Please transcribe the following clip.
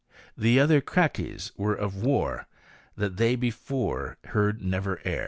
The other crakys were of war That they before heard never air.